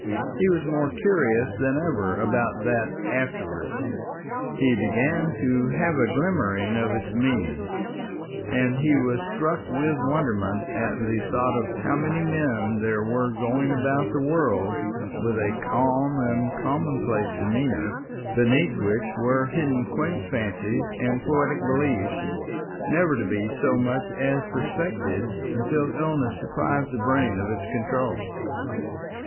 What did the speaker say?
He was more curious than ever about that "afterwards"; he began to have a glimmering of its meaning, and he was struck with wonderment at the thought of how many men there were going about the world with a calm and commonplace demeanour beneath which were hidden quaint fancies and poetic beliefs, never to be so much as suspected, until illness deprived the brain of its control.